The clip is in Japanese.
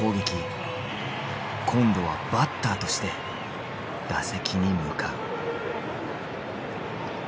今度はバッターとして打席に向かう。